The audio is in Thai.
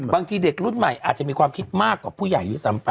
บางทีเด็กรุ่นใหม่อาจจะมีความคิดมากกว่าผู้ใหญ่ด้วยซ้ำไป